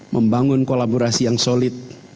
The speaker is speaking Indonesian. membangun kolaborasi yang solid